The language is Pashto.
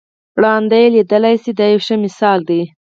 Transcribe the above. ړانده یې لیدلای شي دا یو ښه مثال دی.